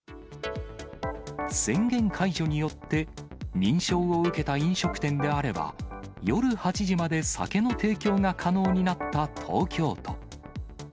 宣言解除によって、認証を受けた飲食店であれば、夜８時まで酒の提供が可能になった東京都。